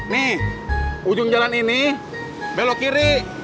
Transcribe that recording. nih ujung jalan ini belok kiri